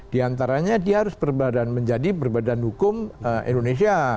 di antaranya dia harus berbadan menjadi berbadan hukum indonesia